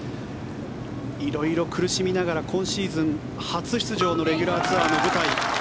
色々苦しみながら今シーズン初出場のレギュラーツアーの舞台。